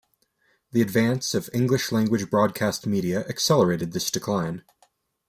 The advance of English-language broadcast media accelerated this decline.